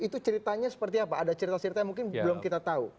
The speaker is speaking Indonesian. itu ceritanya seperti apa ada cerita cerita yang mungkin belum kita tahu